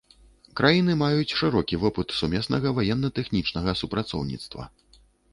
Краіны маюць шырокі вопыт сумеснага ваенна-тэхнічнага супрацоўніцтва.